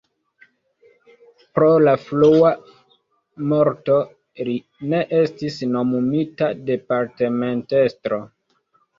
Pro la frua morto li ne estis nomumita departementestro.